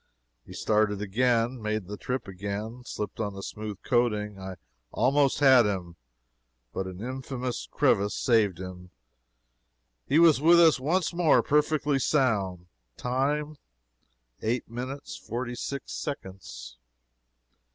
He started again. Made the trip again. Slipped on the smooth coating I almost had him. But an infamous crevice saved him. He was with us once more perfectly sound. Time, eight minutes, forty six seconds.